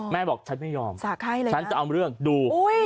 บอกฉันไม่ยอมฉันจะเอาเรื่องดู